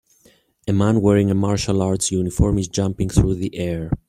A man wearing a martial arts uniform is jumping through the air.